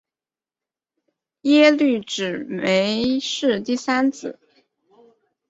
耶律只没是第三子。